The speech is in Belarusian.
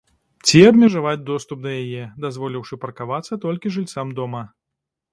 Ці абмежаваць доступ да яе, дазволіўшы паркавацца толькі жыльцам дома.